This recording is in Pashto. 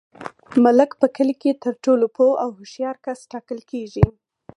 ملک په کلي کي تر ټولو پوه او هوښیار کس ټاکل کیږي.